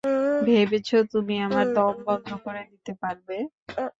ভেবেছ তুমি আমার দম বন্ধ করে দিতে পারবে?